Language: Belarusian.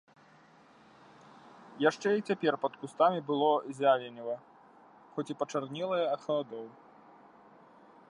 Яшчэ і цяпер пад кустамі было зяленіва, хоць і пачарнелае ад халадоў.